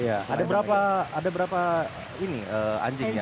ada berapa anjingnya